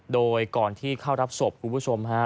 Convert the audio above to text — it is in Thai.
โดยก่อนที่เข้ารับศพคุณผู้ชมฮะ